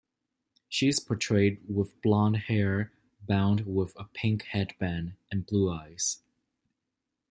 She is portrayed with blonde hair bound with a pink headband, and blue eyes.